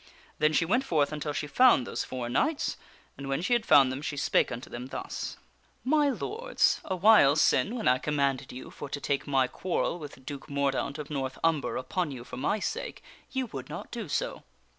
Then she went forth until she found those four knights, and when she had found them she spake unto them thus :" My Lords, awhile sin when I commanded you for to take my quarrel with Duke Mordaunt of North Umber upon you for my sake, ye would The Lady Guin n t d so.